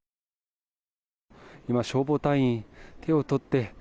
今、消防隊員、手を取って。